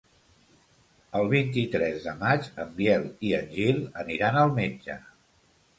El vint-i-tres de maig en Biel i en Gil aniran al metge.